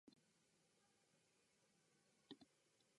ゴシップ誌、漫画雑誌に百科事典、壊れたパイプ椅子、魚臭い発砲スチロール